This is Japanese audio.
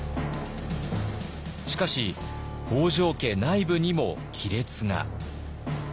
しかし北条家内部にも亀裂が。